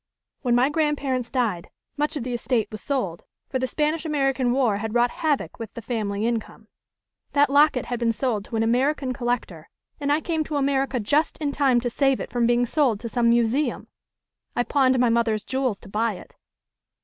When my grandparents died, much of the estate was sold for the Spanish American War had wrought havoc with the family income. That locket had been sold to an American collector, and I came to America just in time to save it from being sold to some museum. I pawned my mother's jewels to buy it.